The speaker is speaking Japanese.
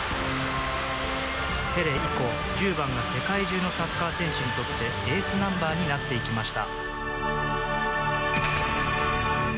ペレ以降、１０番が世界中のサッカー選手にとってエースナンバーになっていきました。